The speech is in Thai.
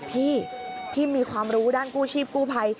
พี่พี่มีความรู้ด้านกู้ชีพกู้ภัย